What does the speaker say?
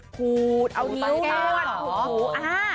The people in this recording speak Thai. ขูดเอานิ้วรวด